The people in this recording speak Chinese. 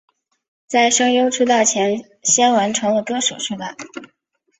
在声优出道前先完成了歌手出道。